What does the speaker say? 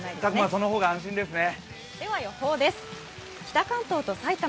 その方が安心ですね。